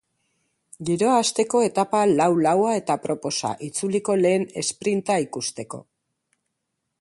Giroa hasteko etapa lau-laua eta aproposa itzuliko lehen esprinta ikusteko.